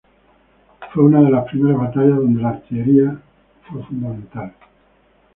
Fue una de las primeras batallas donde la artillería fue fundamental.